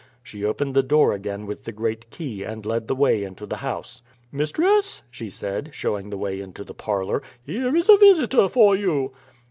She opened the door again with the great key, and led the way into the house. "Mistress," she said, showing the way into the parlour, "here is a visitor for you."